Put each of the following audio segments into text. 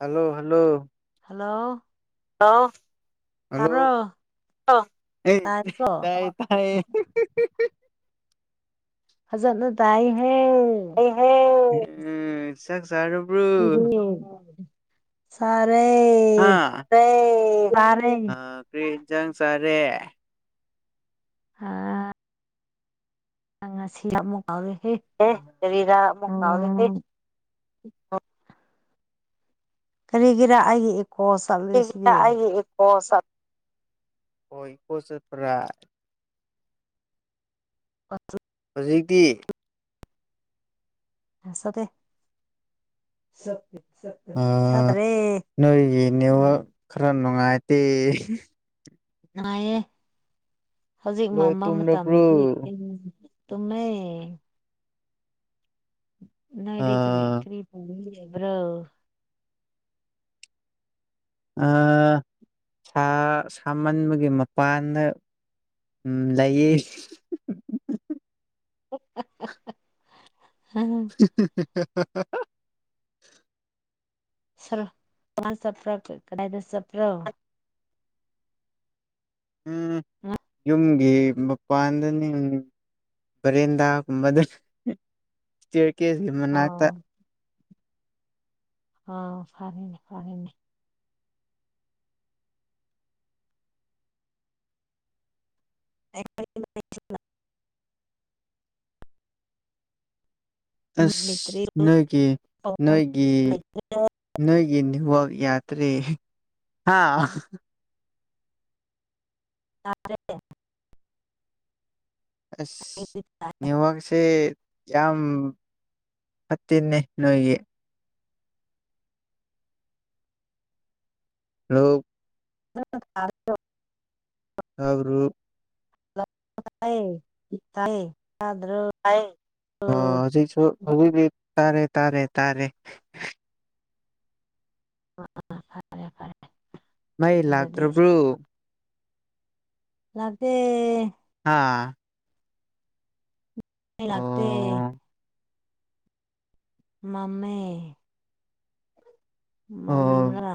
Hello hello hello hello hello ꯑ° ꯇꯥꯏꯀꯣ ꯇꯥꯏ ꯇꯥꯏ ꯐꯖꯟꯅꯥ ꯇꯥꯏꯌꯦ ꯍꯦ ꯍ° ꯆꯥꯛ ꯁꯤꯗꯤ ꯆꯥꯔꯕꯔꫭ ꯆꯥꯔꯦ ꯑꯥ ꯔ° ꯆꯥꯔꯦ ꯀꯔꯤ ꯏꯟꯁꯥꯡ ꯆꯥꯔꯦ ꯍꯥ ꯑꯥ ꯉꯁꯤ ꯑꯃꯨꯛ ꯀꯥꯎꯔꯦꯍꯦ ꯑꯦ ꯀꯔꯤꯔ ꯑꯥꯃꯨꯛ ꯀꯥꯎꯔ°ꯗꯤ ꯎꯝ ꯀꯔꯤꯒꯤꯔꯥ ꯑꯩꯒꯤ ꯏꯀꯣꯁ ꯀꯔꯤꯒꯤꯔꯥ ꯑꯩꯒꯤ ꯏꯀꯣ ꯆꯠ ꯑꯣ ꯏꯀꯣ ꯆꯠꯄꯔꯥ [unintelligible] ꯍꯧ ꯖꯤꯛꯇꯤ ꯆꯠꯇꯦ ꯆꯠ ꯑꯥꯝ ꯅꯣꯏꯒꯤ ꯎꯝ ꯅꯦꯋꯥꯛ ꯈꯔ ꯅꯨꯡꯉꯥꯏꯇꯦ ꯅꯨꯡꯉꯥꯏꯌꯦ ꯍꯧꯖꯤꯛ ꯂꯣꯏ ꯃꯝꯕꯥ ꯇꯨꯝꯔꯕ꯭ꯔꯣ ꯃꯇꯝꯗꯗꯤ ꯈꯤꯇꯡ ꯇꯨꯝꯃꯦ ꯑ ꯅꯥꯏꯗꯩ ꯀꯔꯤ ꯀꯔꯤ ꯄꯨꯅꯤꯉꯥꯏ ꯂꯩꯕ꯭ꯔꯣ ꯑꯥ ꯑꯥ ꯁꯥꯃꯟꯕꯒꯤ ꯃꯄꯥꯟꯗꯥ ꯂꯩꯌꯦ [unintelligible] [unintelligible] [unintelligible] ꯆꯠꯄꯔꯥ ꯀꯗꯥꯏꯗ ꯆꯄ꯭ꯔꯣ ꯎꯝ ꯌꯨꯝꯒꯤ ꯃꯄꯥꯟꯗꯅꯤꯅ° ꯕ°ꯔ°ꯟꯗꯥ ꯒꯨꯝꯕꯥꯗ ꯏꯁꯇꯤꯌꯥꯔ ꯀꯦꯁ ꯀꯤ ꯑꯣ ꯃꯅꯥꯛꯇꯥ ꯑꯥ ꯐꯔꯦꯅꯦ ꯐꯔꯦꯅꯦ [unintelligible] ꯑꯥꯁ ꯅꯣꯏꯒꯤ ꯅꯣꯏꯒꯤ ꯅꯣꯏꯒꯤ ꯅ°ꯠꯋꯥꯛ ꯌꯥꯗꯔꯦ ꯇꯥꯗꯔꯦ ꯑꯥꯁ ꯅꯦꯋꯥꯛꯁꯤ ꯌꯥꯝꯝ ꯐꯠꯇ°ꯅꯦ ꯅꯣꯏꯒꯤ ꯔꫭ [unintelligible] ꯇꯥꯕꯔꫭ ꯇꯌꯦ ꯇꯌꯦ ꯇꯥꯗꯔꫭ ꯇꯥꯌꯦ ꯑꫭ ꯍꯧꯖꯤꯛꯁꯨ ꯍꯧꯖꯤꯛꯇꯤ ꯇꯥꯔꯦ ꯇꯥꯔꯦ ꯇꯥꯔꯦ꯫ ꯑꯥ ꯑꯥ ꯐꯔꯦ ꯐꯔꯦ ꯃꯩ ꯑꯗꯨꯗꯤ ꯂꯥꯛꯇ꯭ꯔꯕ꯭ꯔꫭ ꯂꯥꯛꯇꯦ ꯍꯥ ꯃꯩ ꯂꯥꯛꯇꯦ ꯑꯣ ꯃꯥꯝꯃꯦ ꯑꯥ ꯃꯝꯂꯒ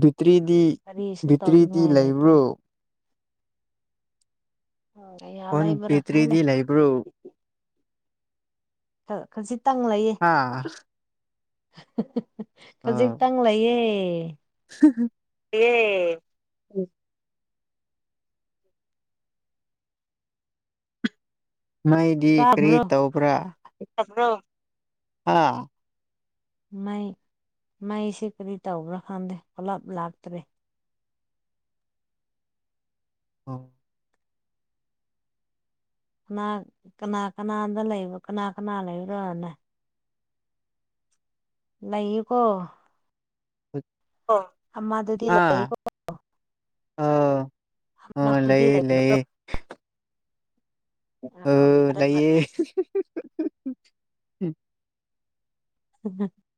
ꯕꯤꯛꯇ꯭ꯔꯤꯗꯤ ꯀꯔꯤꯁꯨ ꯕꯤꯛꯇ꯭ꯔꯤꯗꯤ ꯇꯧꯅꯤꯡꯉꯥꯏ ꯂꯩꯕ꯭ꯔꯣ ꯂꯩꯇ꯭ꯔꯦ ꯑꯥꯎ ꯂꯩꯌꯦ ꯐꯣꯟ ꯕꯦꯇ꯭ꯔꯤꯗꯤ ꯂꯩꯕ꯭ꯔꯣ ꯇ ꯈꯥꯖꯤꯛ ꯇꯪ ꯂꯩꯌꯦ ꯑꯥ ꯈꯖꯤꯛꯇꯪ ꯂꯩꯌꯦ꯫ ꯑꯦ [unintelligible] ꯃꯩꯗꯤ ꯀꯔꯤ ꯆꯥꯕ꯭ꯔꯣ ꯇꯧꯕ꯭ꯔꯥ ꯇꯥꯕ꯭ꯔꫭ ꯑꯥ ꯃꯩ ꯃꯩꯁꯦ ꯀꯔꯤ ꯇꯧꯕ꯭ꯔꯥ ꯈꯪꯗꯦ ꯄꯨꯂꯞ ꯂꯥꯛꯇ꯭ꯔꯦ ꯑꯣ ꯀꯅꯥ ꯀꯅꯥ ꯀꯅꯥꯗ ꯂꯩꯕ ꯀꯅꯥ ꯀꯅꯥ ꯂꯩꯕ꯭ꯔꯣꯅ ꯂꯩꯌꯦꯀꯣ [unintelligible] ꯑꫭ ꯑꯃꯥꯗꯨꯗꯤ ꯂꯩꯀꫭ ꯑꯥꯎ ꯑꯃꯗꯨꯗꯤ ꯂꯩꯕꯔꫭ ꯑ ꯐꯔꯦ ꯐꯔꯦ ꯂꯩꯌꯦ [unintelligible]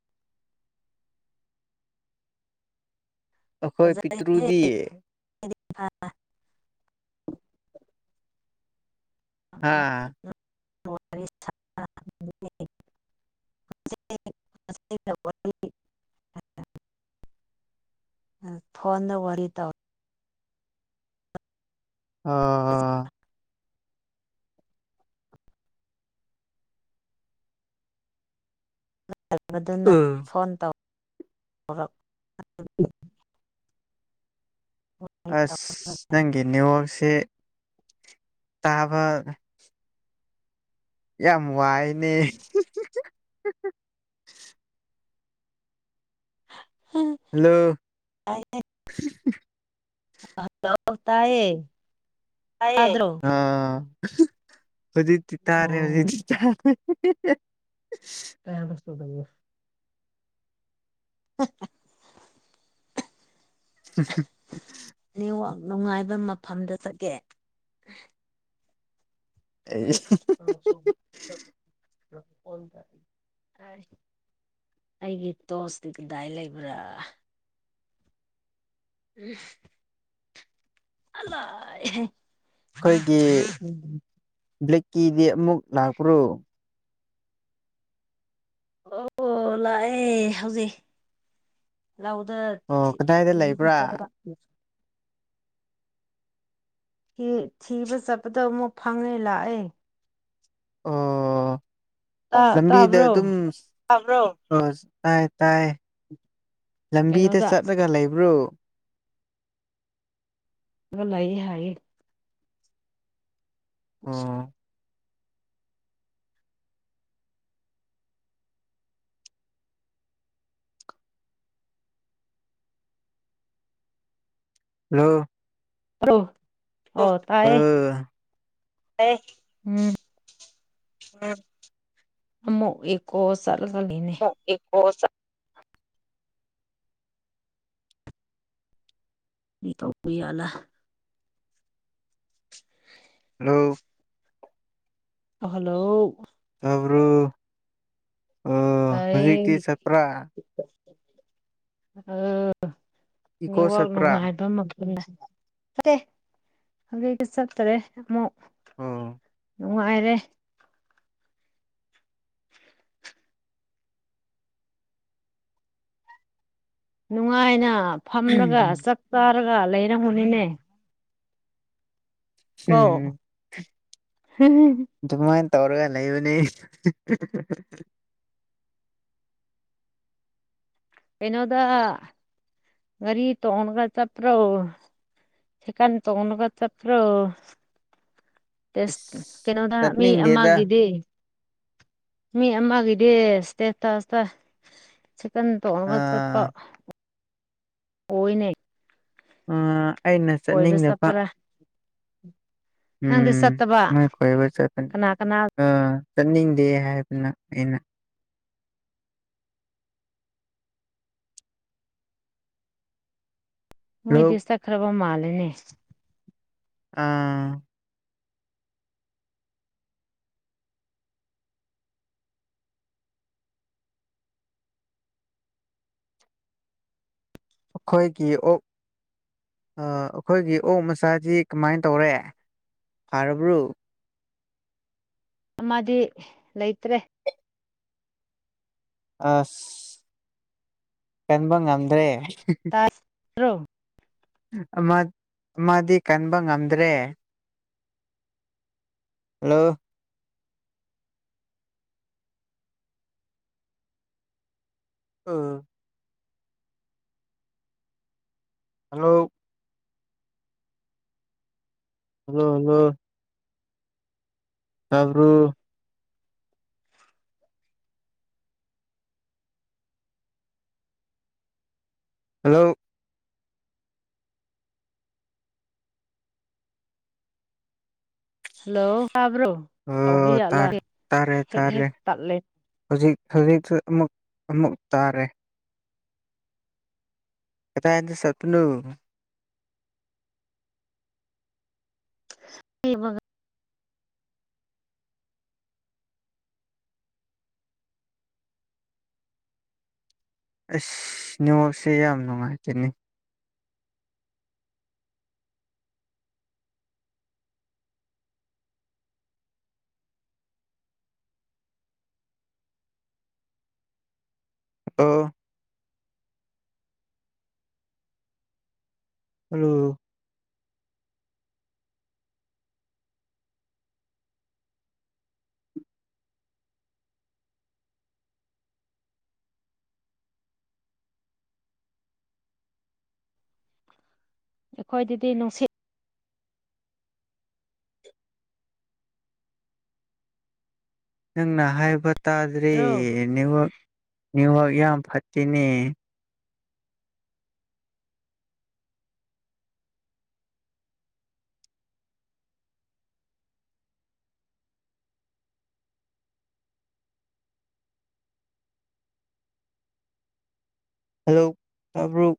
ꯑꯩꯈꯣꯏ ꯐꯖꯩꯍꯦ ꯄꯤꯛꯇꯨꯔꯨꯗꯤ ꯍꯥꯥ [unintelligible] [unintelligible] ꯑꯥ ꯐꯣꯟꯗ ꯋꯥꯔꯤ ꯇꯧ ꯑꯣ [unintelligible] [unintelligible] ꯑꯗꯨꯅ ꯎ [unintelligible] ꯐꯣꯟ [unintelligible] ꯇꯧꯔꯛ [unintelligible] ꯑꯁ ꯅꯪꯒꯤ ꯅꯦꯠ ꯋꯥꯛꯁꯦ ꯇꯥꯕ ꯌꯥꯝ ꯋꯥꯏꯅꯦ ꯍꯥꯜꯂꫭ ꯍꯜꯂꯣ ꯇꯥꯏꯌꯦ ꯇꯥꯏꯌꯦ ꯇꯥꯗ꯭ꯔꯣ ꯑꯥ ꯍꯧꯖꯤꯛꯗꯤ ꯇꯥꯔꯦ ꯍꯧꯖꯤꯛꯗꯤ ꯇꯥꯔꯦ [unintelligible] ꯑꯍꯥ [unintelligible] ꯍꯝ ꯍꯝ [unintelligible] ꯅꯦꯠ ꯋꯥꯛ ꯅꯨꯡꯉꯥꯏꯕ ꯃꯐꯝꯗ ꯆꯠꯀꯦ [unintelligible] [unintelligible] ꯑꯩꯒꯤ ꯇꯣꯁꯇꯤ ꯀꯗꯥꯏ ꯂꯩꯕ꯭ꯔꯥ [unintelligible] ꯑꯩꯈꯣꯏꯒꯤ ꯕ꯭ꯂꯦꯛꯀꯤꯗꯤ ꯑꯃꯨꯛ ꯂꯥꯛꯄ꯭ꯔꯣ ꯑꯣ ꯂꯥꯛꯑꯦ ꯍꯧꯖꯤꯛ ꯂꯧꯗ ꯑꯣ ꯀꯗꯥꯏꯗ ꯂꯩꯕ꯭ꯔꯥ ꯎꯝ ꯊꯤꯕ ꯆꯠꯄꯗ ꯑꯃꯨꯛ ꯐꯪꯉꯦ ꯂꯥꯛꯑꯦ ꯑꯣ ꯇꯥ ꯂꯝꯕꯤꯗ ꯇꯥꯕ꯭ꯔꯣ ꯑꯗꯨꯝ ꯕ꯭ꯔꯣꯣ ꯇꯥꯏ ꯇꯥꯏ ꯂꯝꯕꯤꯗ ꯀꯩꯅꯣꯗ ꯆꯠꯂꯒ ꯂꯩꯕ꯭ꯔꯣ ꯂꯩꯌꯦ ꯍꯥꯏꯌꯦ [inaudible] [inaudible] ꯍꯜꯂꯣ ꯇꯥꯕ꯭ꯔꯣ ꯑꯣ ꯇꯥꯌꯦ ꯇꯥꯌꯦ ꯎꯝ ꯎꯝ ꯑꯃꯨꯛ ꯏꯀꫭ ꯆꯠꯂꯒ ꯂꯩꯅꯦ ꯏꯀꫭ ꯆꯠꯂ ꯇꯧꯕ ꯌꯥꯜꯂ ꯍꯜꯂꯣ ꯍꯜꯂꯣ ꯇꯕ꯭ꯔꫭ ꯍꯧꯖꯤꯛꯇꯤ ꯆꯞꯄ꯭ꯔꯥ ꯑ ꯏꯀꯣ ꯅꯦꯠꯋꯥꯛ ꯆꯠꯄ꯭ꯔꯥ ꯅꯨꯡꯉꯥꯏꯕ ꯑꯃ ꯍꯧꯒ ꯆꯠꯇ꯭ꯔꯦ ꯑꯃꯨꯛ ꯑꯣ ꯅꯨꯡꯉꯥꯏꯔꯦ [inaudible] ꯅꯨꯡꯉꯥꯏꯅ ꯐꯝꯂꯒ ꯎꯝ ꯆꯥꯛ ꯆꯥꯔꯒ ꯂꯩꯔꯝꯒꯅꯤꯅꯦ ꯀꯣ ꯍꯝ ꯑꯗꯨꯃꯥꯏꯅ ꯇꯧꯔꯒ ꯂꯩꯕꯅꯤ ꯀꯩꯅꯣꯗ ꯒꯔꯤ ꯇꯣꯡꯉꯒ ꯆꯄ꯭ꯔꯣ ꯆꯀꯅ ꯇꫭꯡꯉꯒ ꯆꯠꯄ꯭ꯔꯣ ꯏꯁ ꯑꯁ ꯀꯩꯅꯣꯗ ꯃꯤ ꯆꯠꯅꯤꯡꯗꯦꯗ ꯑꯃꯒꯤꯗꯤ ꯃꯤ ꯑꯃꯒꯤꯗꯤ ꯏꯁꯇꯦꯇꯁꯇ ꯆꯤꯀꯟ ꯇꯣꯡꯉꯒ ꯆꯠꯄ ꯑꯥ ꯑꯣꯏꯅ ꯑ ꯑꯩꯅ ꯀꯣꯏꯕ ꯆꯠꯅꯤꯡꯗꯕ ꯆꯠꯄ꯭ꯔꯥ ꯅꯪꯗꯤ ꯎꯝ ꯆꯠꯇꯕ ꯃꯣꯏ ꯀꯣꯏꯕ ꯆꯠꯄꯅꯤ ꯀꯅꯥ ꯀꯅꯥ ꯑ ꯆꯠꯅꯤꯡꯗꯦ ꯍꯥꯏꯕꯅ ꯑꯩꯅ ꯂꯣꯛ ꯃꯣꯏꯗꯤ ꯆꯠꯈ꯭ꯔꯕ ꯃꯥꯜꯂꯦꯅꯦ ꯑꯥ ꯑꯩꯈꯣꯏꯒꯤ ꯑꯣꯛ ꯑꯩꯈꯣꯏꯒꯤ ꯑꯣꯛ ꯃꯆꯥꯁꯤ ꯀꯃꯥꯏꯅ ꯇꯧꯔꯦ ꯐꯥꯔꯕ꯭ꯔꯣ ꯑꯃꯗꯤ ꯂꯩꯇ꯭ꯔꯦ ꯑꯁ ꯀꯟꯕ ꯉꯝꯗ꯭ꯔꯦ ꯇꯥꯔꯤꯕ꯭ꯔꯣ ꯑꯃ ꯑꯃꯗꯤ ꯀꯟꯕ ꯉꯝꯗ꯭ꯔꯦ ꯍꯜꯂꫭ ꯑꯣ ꯍꯜꯂꯣ ꯍꯜꯂꫭ ꯍꯜꯂꫭ ꯇꯥꯕ꯭ꯔꫭ ꯍꯜꯂꯣ ꯍꯜꯂꯣ ꯇꯥꯕ꯭ꯔꯣ ꯀꯥꯎꯕ ꯑꯣ ꯌꯥꯠꯂ ꯇꯥꯔꯦ ꯇꯥꯔꯦ ꯍꯦꯛ ꯇꯥꯔꯦ ꯍꯦꯛ ꯇꯠꯂꯦ ꯍꯧꯖꯤꯛ ꯍꯧꯖꯤꯛꯁꯨ ꯑꯃꯨꯛ ꯑꯃꯨꯛ ꯇꯥꯔꯦ ꯀꯗꯥꯏꯗꯥ ꯆꯠꯄꯂꯣ [unintelligible] [inaudible] ꯑꯁ ꯅꯦꯠꯋꯥꯛꯁꯦ ꯌꯥꯝ ꯅꯨꯡꯉꯥꯏꯇꯦꯅꯦ ꯑꯣ ꯍꯜꯂꯣ ꯑꯩꯈꯣꯏꯗꯗꯤ ꯅꯨꯡꯁꯤꯠ ꯅꯪꯅ ꯍꯥꯏꯕ ꯇꯥꯗ꯭ꯦ ꯅꯦꯠꯋꯥꯛ ꯅꯦꯠꯋꯥꯛ ꯌꯥꯝ ꯐꯠꯇꯦꯅꯦ ꯍꯜꯂꯣ ꯇꯕ꯭ꯔꯣ